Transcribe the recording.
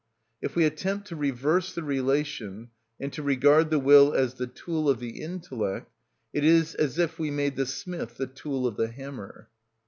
If we attempt to reverse the relation, and to regard the will as the tool of the intellect, it is as if we made the smith the tool of the hammer.